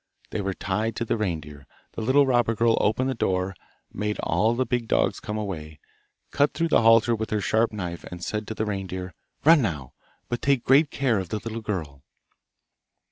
They were tied to the reindeer, the little robber girl opened the door, made all the big dogs come away, cut through the halter with her sharp knife, and said to the reindeer, 'Run now! But take great care of the little girl.